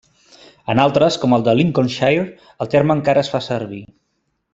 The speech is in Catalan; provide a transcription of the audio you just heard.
En altres, com el de Lincolnshire, el terme encara es fa servir.